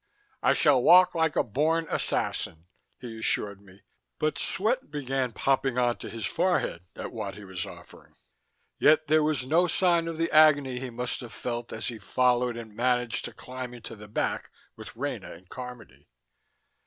"I shall walk like a born assassin," he assured me, but sweat began popping onto his forehead at what he was offering. Yet there was no sign of the agony he must have felt as he followed and managed to climb into the back with Rena and Carmody.